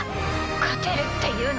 勝てるっていうの？